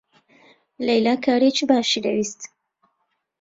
لەیلا کارێکی باشی دەویست.